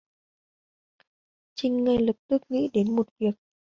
Chinh ngay lập tức nghĩ đến một việc